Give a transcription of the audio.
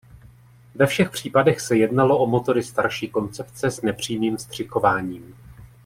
Ve všech případech se jednalo o motory starší koncepce s nepřímým vstřikováním.